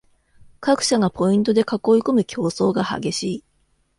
各社がポイントで囲いこむ競争が激しい